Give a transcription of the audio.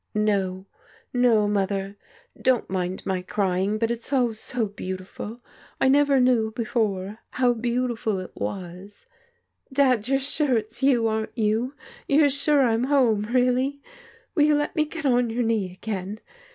No, no, Mother. Don't mind my crying, but it's all so beautiful — I never knew before how beautiful it was. Dad, you're sure it's you, aren't you? You're sure I'm home, really? Will you let me get on your knee again?